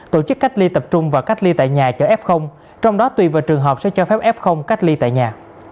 tổ chức cách ly tập trung và cách ly tại nhà cho f trong đó tùy vào trường hợp sẽ cho phép f cách ly tại nhà